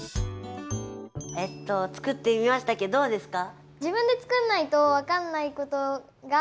えっと作ってみましたけどどうですか？